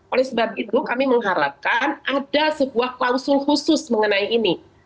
oleh sebab itu kami mengharapkan ada sebuah klausul khusus mengenai ini